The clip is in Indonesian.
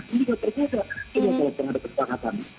ini adalah peradaban perpangatan